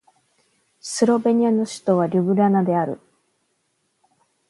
スロベニアの首都はリュブリャナである